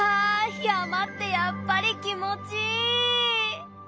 山ってやっぱり気持ちいい。